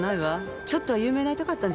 ちょっとは有名になりたかったんじゃない？